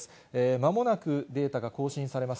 まもなくデータが更新されます。